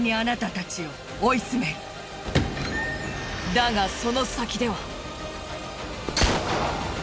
だがその先では。